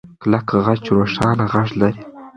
کلک خج روښانه غږ لري.